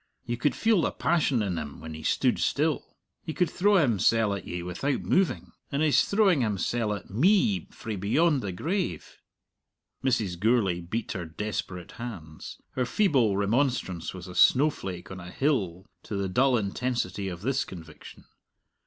You could feel the passion in him when he stood still. He could throw himsell at ye without moving. And he's throwing himsell at me frae beyond the grave." Mrs. Gourlay beat her desperate hands. Her feeble remonstrance was a snowflake on a hill to the dull intensity of this conviction.